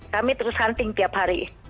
kami terus hunting tiap hari